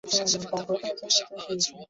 山香芹是伞形科岩风属的植物。